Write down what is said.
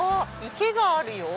池があるよ。